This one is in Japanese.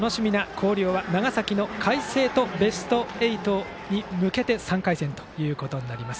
広陵は長崎の海星とベスト８に向けての３回戦ということになります。